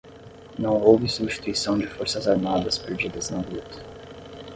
Não houve substituição de forças armadas perdidas na luta.